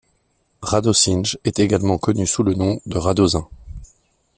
Radosinj est également connu sous le nom de Radosin.